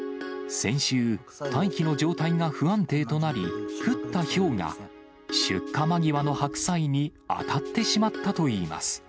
先週、大気の状態が不安定となり、降ったひょうが出荷間際の白菜に当たってしまったといいます。